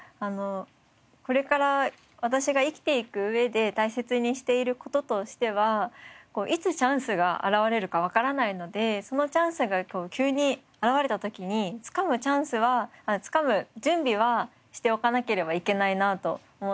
これから私が生きていく上で大切にしている事としてはいつチャンスが現れるかわからないのでそのチャンスが急に現れた時につかむチャンスはつかむ準備はしておかなければいけないなと思っていて。